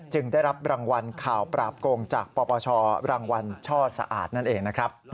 ได้รับรางวัลข่าวปราบโกงจากปปชรางวัลช่อสะอาดนั่นเองนะครับ